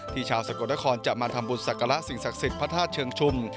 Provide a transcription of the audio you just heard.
ชาวสกลนครจะมาทำบุญศักระสิ่งศักดิ์สิทธิ์พระธาตุเชิงชุม